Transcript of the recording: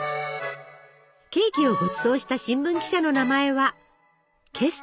ケーキをごちそうした新聞記者の名前はケストナーさん。